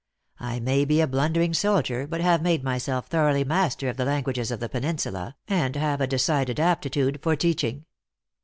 I may be a blundering soldier, but have made myself thoroughly master of the languages of the Peninsula, and have a decided aptitude for teaching.